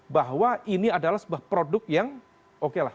bahwa ini adalah sebuah produk yang oke lah